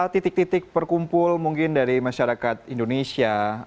titik titik perkumpul mungkin dari masyarakat indonesia